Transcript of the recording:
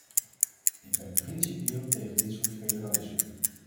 Ik ben principieel tegen dit soort federalisme.